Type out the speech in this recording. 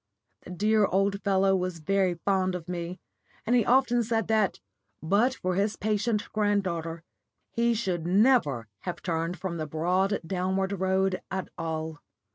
The dear old fellow was very fond of me, and he often said that, but for his patient granddaughter, he should never have turned from the broad downward road at all.